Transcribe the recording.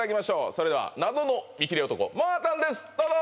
それでは謎の見切れ男まあたんですどうぞ！